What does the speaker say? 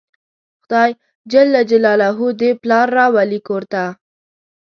خدای ج دې پلار راولي کور ته